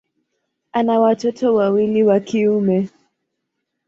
Ana watoto wawili wa kiume.